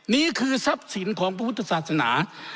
นี่คือทรัพย์สินของพระพุทธศาสนา